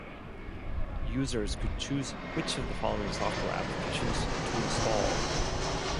Users could choose which of the following software applications to install.